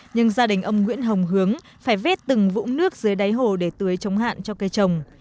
nhưng gia đình ông nguyễn hồng hướng phải vết từng vũ nước dưới đáy hồ để tưới chống hạn cho cây trồng